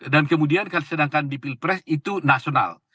dan kemudian sedangkan di pilpres itu nasional